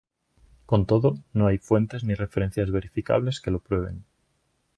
Con todo, no hay fuentes ni referencias verificables que lo prueben.